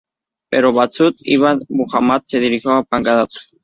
Pero Masud ibn Muhammad se dirigió a Bagdad.